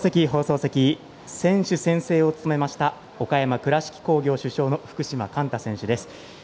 放送席選手宣誓を努めました岡山・倉敷工業主将の福島貫太選手です。